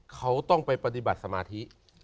เขาต้องไปปฏิบัติสมาธิ